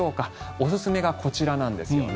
おすすめがこちらなんですよね。